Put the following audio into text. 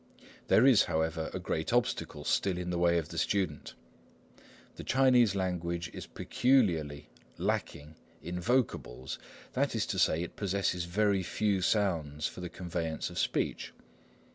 There is, however, a great obstacle still in the way of the student. The Chinese language is peculiarly lacking in vocables; that is to say, it possesses very few sounds for the conveyance of speech.